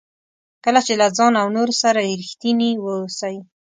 کله چې له ځان او نورو سره ریښتیني واوسئ.